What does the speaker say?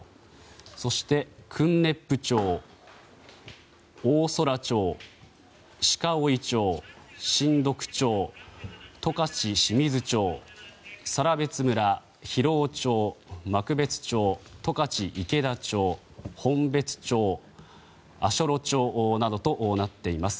そして、訓子府町大空町、鹿追町新得町、十勝清水町更別村、広尾町幕別町、十勝池田町本別町、足寄町などとなっています。